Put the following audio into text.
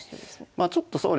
まあちょっとそうですね